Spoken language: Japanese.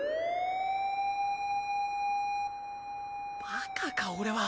バカか俺は。